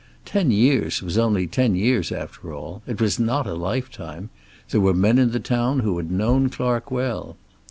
Ten years was only ten years after all. It was not a lifetime. There were men in the town who had known Clark well.